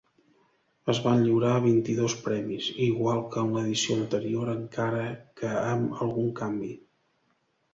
Es van lliurar vint-i-dos premis, igual que en l'edició anterior, encara que amb algun canvi.